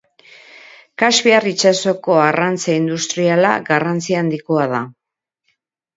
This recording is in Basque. Kaspiar itsasoko arrantza industriala garrantzi handikoa da.